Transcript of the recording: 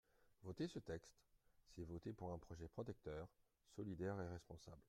Voter ce texte, c’est voter pour un projet protecteur, solidaire et responsable.